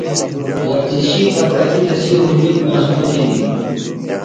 ورزشی برکتی تسی ہُجُت مضبوط ہِنیۡ۔